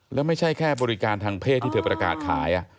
แล้วไม่ใช่แค่บริการทางเพศที่เธอประกาศขาย